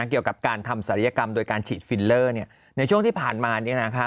เกี่ยวกับการทำศรียกรรมโดยการฉีดฟิลเลอร์เนี่ยในช่วงที่ผ่านมาเนี่ยนะคะ